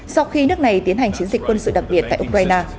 sau khi nước này tiến hành chiến dịch quân sự đặc biệt tại ukraine